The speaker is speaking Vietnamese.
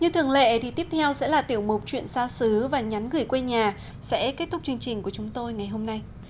như thường lệ thì tiếp theo sẽ là tiểu mục chuyện xa xứ và nhắn gửi quê nhà sẽ kết thúc chương trình của chúng tôi ngày hôm nay